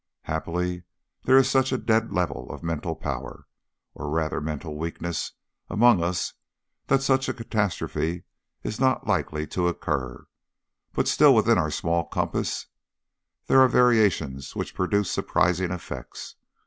Happily there is such a dead level of mental power, or rather of mental weakness, among us that such a catastrophe is not likely to occur; but still within our small compass there are variations which produce surprising effects.